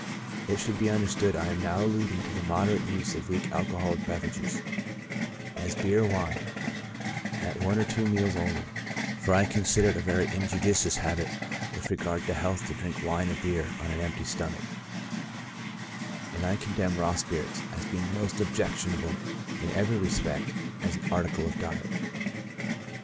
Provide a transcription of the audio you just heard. It should be understood I am now alluding to the moderate use of weak alcoholic beverages, as beer or wine, at one or two meals only ; for I consider it a very injudicious habit with regard to health to drink wine or beer on an empty stomach ; and I condemn raw spirits^ as being most objectionable in every respect as an article of diet.